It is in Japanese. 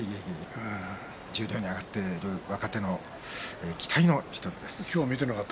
十両に上がっている若手の期待の１人です。